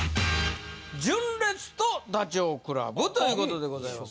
純烈とダチョウ倶楽部ということでございます。